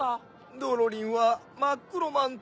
ドロリンはまっくろマントを。